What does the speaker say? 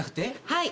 はい。